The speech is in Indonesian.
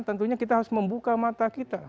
tentunya kita harus membuka mata kita